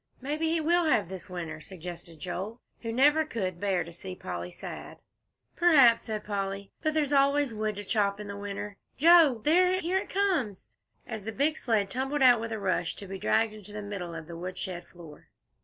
"Maybe he will have, this winter," suggested Joel, who never could bear to see Polly sad. "P'r'aps," said Polly; "but there's always wood to chop in the winter, Joe. There here it comes!" as the big sled tumbled out with a rush, to be dragged into the middle of the woodshed floor.